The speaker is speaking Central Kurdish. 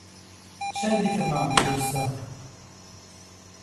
چەندی ترمان پێویستە؟